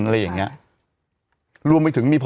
อะไรอย่างเงี้ย